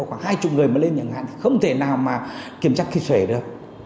khoảng hai mươi người mà lên nhận hạn thì không thể nào kiểm tra kịp sể được